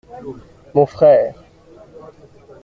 Mon frère.